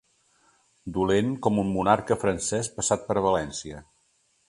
Dolent com un monarca francès passat per València.